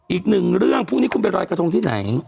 อีกหนึ่งเรื่องพรุ่งนี้คุณไปรอยกระทงที่ไหน